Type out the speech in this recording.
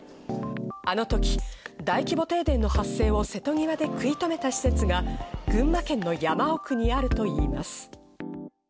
あの時、大規模停電の発生を瀬戸際で食い止めた施設が群馬県の山奥にあるといいます。